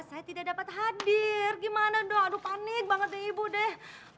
saya tidak dapat hadir gimana dong aduh panik banget nih ibu deh